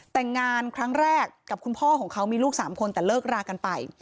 แต่งงานครั้งแรกกับคุณพ่อของเขามีลูก๓คนแต่เลิกรากันไป